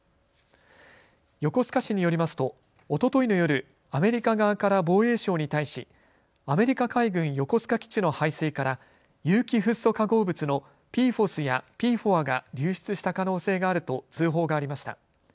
横須賀市によりますとおとといの夜、アメリカ側から防衛省に対しアメリカ海軍横須賀基地の排水から有機フッ素化合物のＰＦＯＳやＰＦＯＡが流出した可能性があると通報がありました。